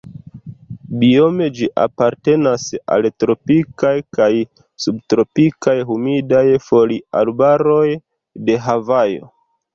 Biome ĝi apartenas al tropikaj kaj subtropikaj humidaj foliarbaroj de Havajo.